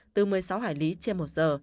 từ một mươi sáu hải lý trên một giờ